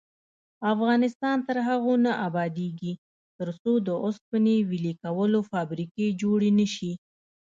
افغانستان تر هغو نه ابادیږي، ترڅو د اوسپنې ویلې کولو فابریکې جوړې نشي.